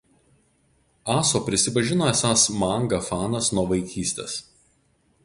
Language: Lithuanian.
Aso prisipažino esąs manga fanas nuo vaikystės.